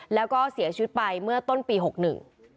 แล้วก็เสียชีวิตไปเมื่อต้นปีหกหนึ่ง